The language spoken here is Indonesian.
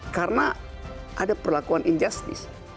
karena ada perlakuan injustis